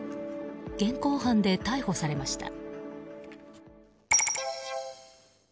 現行犯で逮捕されました。